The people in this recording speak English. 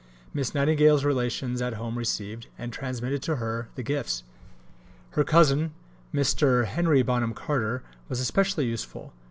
Miss Nightingale's relations at home received, and transmitted to her, the gifts. Her cousin, Mr. Henry Bonham Carter, was especially useful.